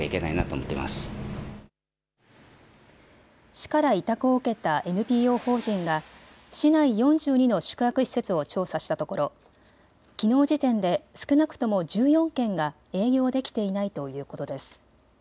市から委託を受けたＮＰＯ法人が市内４２の宿泊施設を調査したところきのう時点で少なくとも１４軒が営業できていないということです。